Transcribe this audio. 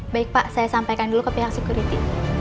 baik pak saya sampaikan dulu ke pihak security